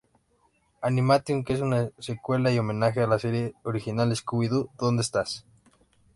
Animation, que es una secuela y homenaje a la serie original, "Scooby-Doo ¿dónde estás?".